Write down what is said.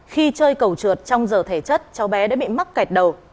khi chơi cầu trượt trong giờ thể chất cháu bé đã bị mắc kẹt đầu